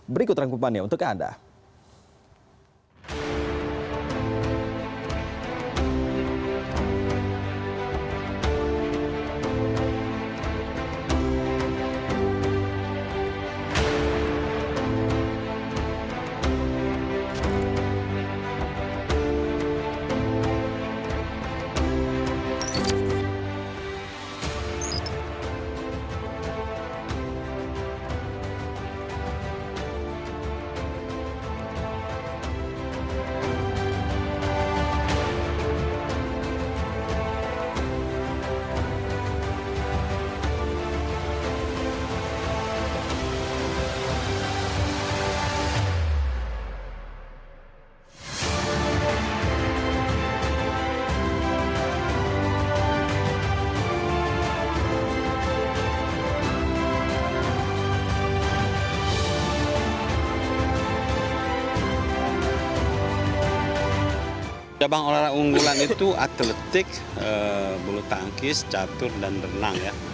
berikut rangkupannya untuk anda